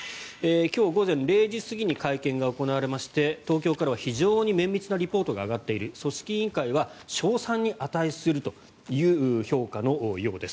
今日午前０時過ぎに会見が行われまして東京からは非常に綿密なリポートが上がっている組織委員会は称賛に価するという評価のようです。